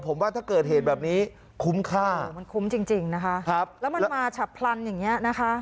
ผมว่าถ้าเกิดเหตุแบบนี้คุ้มค่ามันคุ้มจริงจริงนะคะครับแล้วมันมาฉับพลันอย่างเงี้ยนะคะ